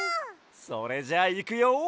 それじゃあいくよ！